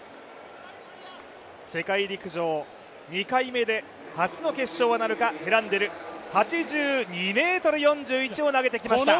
世界陸上２回目で初の決勝なるか、ヘランデル、８２ｍ４１を投げてきました。